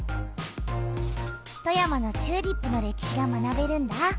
富山のチューリップの歴史が学べるんだ！